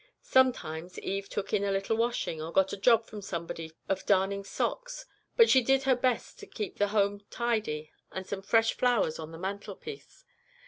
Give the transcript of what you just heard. Sometimes Eve took in a little washing, or got a job from somebody of darning socks, but she did her best to keep their home tidy and some fresh flowers on the mantelpiece.